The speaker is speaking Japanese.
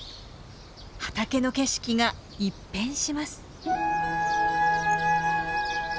畑の景色が一変します。